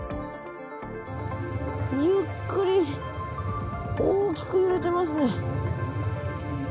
ゆっくり大きく揺れていますね。